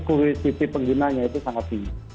kuvisi pengguna nya itu sangat tinggi